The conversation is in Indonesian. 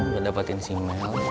udah dapetin si mel